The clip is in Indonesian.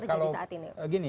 iya kalau gini